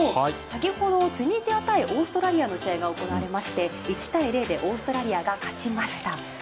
先程、チュニジア対オーストラリアの試合が行われ１対０でオーストラリアが勝ちました。